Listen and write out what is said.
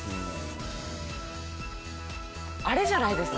あれじゃないですか？